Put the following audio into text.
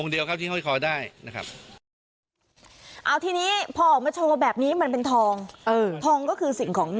เอาทีนี้พอมาโชว์ว่าแบบนี้มันเป็นทอง